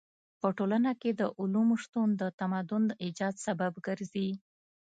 په ټولنه کې د علومو شتون د تمدن د ايجاد سبب ګرځي.